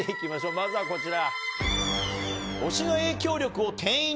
まずはこちら。